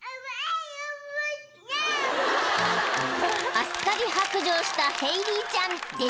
［あっさり白状したヘイリーちゃんでした］